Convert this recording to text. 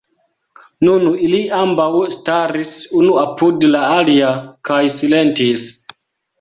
Nun ili ambaŭ staris unu apud la alia, kaj silentis.